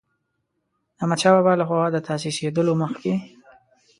د احمدشاه بابا له خوا د تاسیسېدلو مخکې.